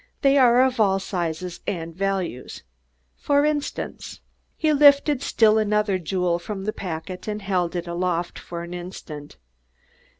"They are of all sizes and values. For instance?" He lifted still another jewel from the packet and held it aloft for an instant.